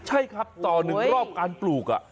ใช่ครับต่อ๑รอบการปลูก